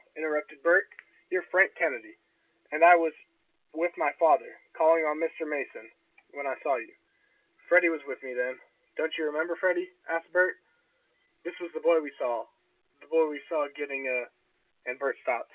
interrupted Bert. "You're Frank Kennedy, and I was with my father, calling on Mr. Mason, when I saw you. Freddie was with me then. Don't you remember, Freddie?" asked Bert. "This is the boy we saw the boy we saw getting a " And Bert stopped.